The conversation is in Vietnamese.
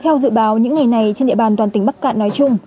theo dự báo những ngày này trên địa bàn toàn tỉnh bắc cạn nói chung